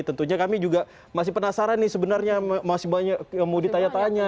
tentunya kami juga masih penasaran nih sebenarnya masih banyak yang mau ditanya tanya